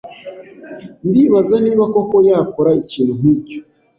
Ndibaza niba koko yakora ikintu nkicyo.